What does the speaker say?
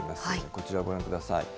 こちら、ご覧ください。